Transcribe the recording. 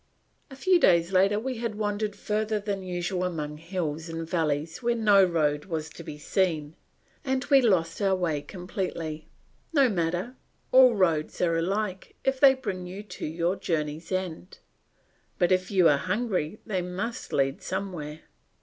A few days later we had wandered further than usual among hills and valleys where no road was to be seen and we lost our way completely. No matter, all roads are alike if they bring you to your journey's end, but if you are hungry they must lead somewhere.